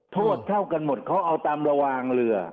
โทษเท่ากันหมดเขาเอาตามระวางเรือ